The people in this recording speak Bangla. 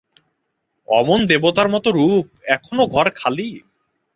অমন দেবতার মতো রূপ, এখনো ঘর খালি!